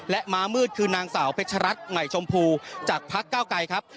และม้ามืดคือนางสาวเพชรัตน์ใหม่ชมพูจากพักเก้าไกรครับ